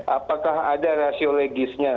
apakah ada rasiolegisnya